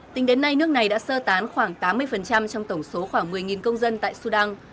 tính đến nay nước này đã sơ tán khoảng tám mươi trong tổng số khoảng một mươi công dân tại sudan